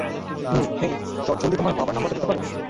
হুম, hey, চটজলদি তোমার বাবার নাম্বারটা দিতে পারো?